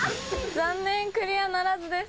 残念クリアならずです。